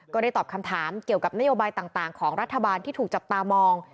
ก็ได้ตอบคำถามเกี่ยวกับนโยบายต่างของรัฐบาลที่ถูกจับตามอง